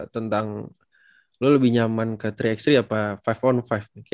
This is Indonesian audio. tentang lo lebih nyaman ke tiga x tiga atau lima on lima